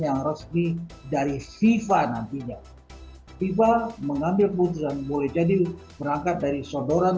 yang resmi dari fifa nantinya fifa mengambil keputusan boleh jadi berangkat dari sodoran